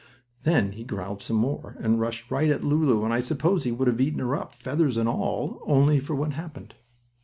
Then he growled some more, and rushed right at Lulu, and I suppose he would have eaten her up, feathers and all, only for what happened.